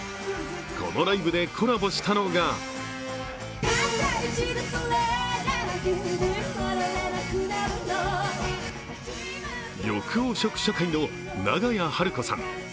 このライブでコラボしたのが緑黄色社会の長屋晴子さん。